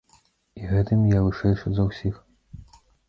І гэтым я вышэйшы за ўсіх.